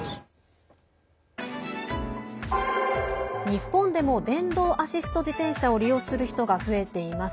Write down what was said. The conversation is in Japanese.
日本でも電動アシスト自転車を利用する人が増えています。